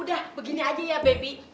udah begini aja ya baby